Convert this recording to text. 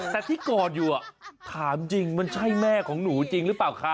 แต่ที่กอดอยู่ถามจริงมันใช่แม่ของหนูจริงหรือเปล่าคะ